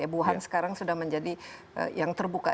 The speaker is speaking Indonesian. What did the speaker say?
wuhan sekarang sudah menjadi yang terbuka